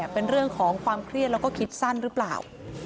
เป็นเรื่องของความเครียดแล้วก็คิดสั้นหรือเปล่า